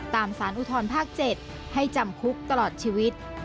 สารอุทธรภาค๗ให้จำคุกตลอดชีวิต